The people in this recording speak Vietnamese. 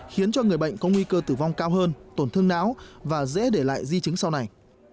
khiến cho người bệnh có nguy cơ tử vong cao hơn tổn thương não và dễ để lại di chứng sau này